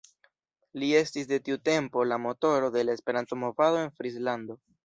Li estis de tiu tempo la "motoro" de la Esperanto-movado en Frislando.